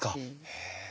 へえ。